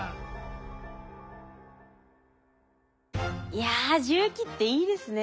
いや重機っていいですね。